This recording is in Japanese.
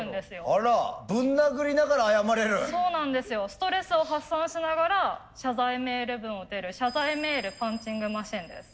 ストレスを発散しながら謝罪メール文を打てる謝罪メールパンチングマシーンです。